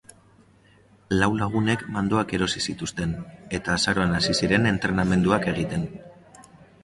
Lau lagunek mandoak erosi zituzten, eta azaroan hasi ziren entrenamenduak egiten.